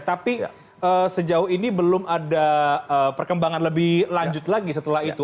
tapi sejauh ini belum ada perkembangan lebih lanjut lagi setelah itu